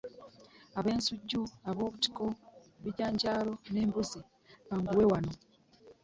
Abensujju, obutiko, bijanjaalo n'embuzi banguwe wano